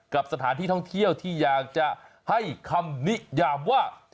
กับสถานที่ท่องเที่ยวที่อยากจะให้คำนิยามว่า